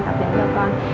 tập đi cho con